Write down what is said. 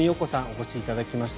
お越しいただきました。